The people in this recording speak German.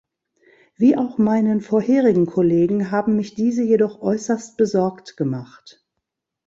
Wie auch meinen vorherigen Kollegen haben mich diese jedoch äußerst besorgt gemacht.